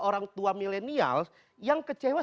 orang tua milenial yang kecewa